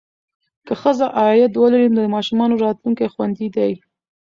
که ښځه عاید ولري، نو د ماشومانو راتلونکی خوندي دی.